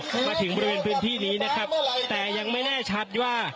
มาถึงบริเวณพื้นที่นี้นะครับแต่ยังไม่แน่ชัดว่า